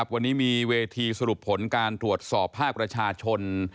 วันนี้มีเวทีสรุปผลการตรวจสอบภาคประชาชน